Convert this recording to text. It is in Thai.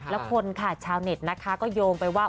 แล้วคนค่ะชาวเน็ตนะคะก็โยงไปว่า